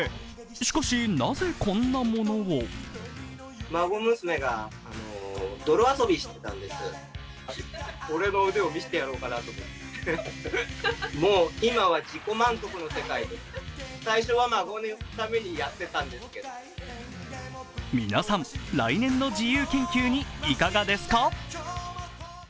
しかし、なぜこんなものを皆さん、来年の自由研究にいかがですか？